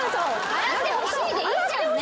「洗ってほしい」でいいじゃんね。